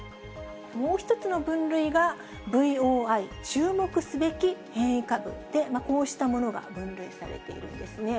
もう１つの分類が、ＶＯＩ・注目すべき変異株で、こうしたものが分類されているんですね。